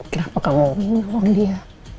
kenapa kamu menolong dia